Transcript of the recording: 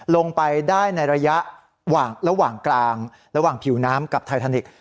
ลงไปได้ในระยะระหว่างกลางระหว่างผิวน้ำกับไททานิกส์